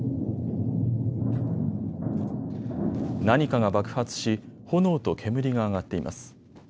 何かが爆発し、炎と煙が上がっています。